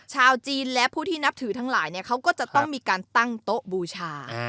ชาวจีนและผู้ที่นับถือทั้งหลายเขาก็จะต้องมีการตั้งโต๊ะบูชา